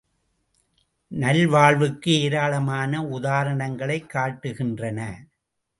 நல்வாழ்வுக்கு ஏராளமான உதாரணங்களைக் காட்டுகின்றன.